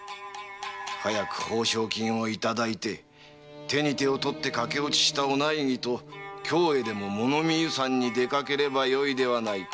早く報償金をいただいて手に手を取って駆け落ちしたお内儀と京へでも物見遊山に出かければよいではないか。